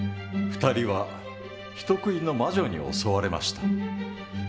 ２人は人食いの魔女に襲われました。